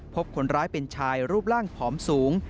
พบคนร้ายเป็นชายรูปร่างผอมสูง